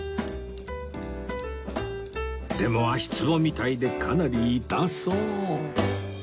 でも足つぼみたいでかなり痛そう